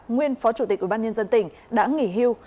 nguyên phó chủ tịch ủy ban nhân dân tỉnh đã nghỉ hưu